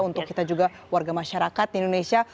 untuk kita juga warga masyarakat di indonesia